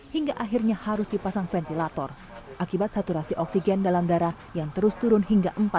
hingga akhirnya harus dipasang ventilator akibat saturasi oksigen dalam darah yang terus turun hingga